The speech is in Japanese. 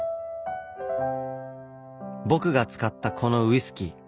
僕が使ったこのウイスキー。